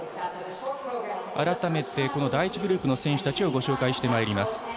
改めて第１グループの選手たちをご紹介します。